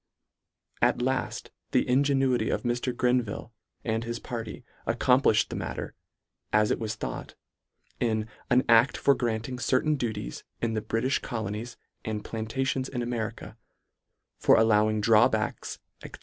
At laft the ingenuity of Mr. Greenville and his party accomplifhed the matter, as it was thought, in " An act for granting certain duties in the Britifh colo nies and plantations in America, for allow ing drawbacks, &c.